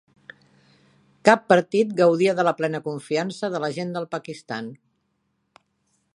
Cap partit gaudia de la plena confiança de la gent del Pakistan.